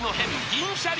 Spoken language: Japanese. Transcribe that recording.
銀シャリ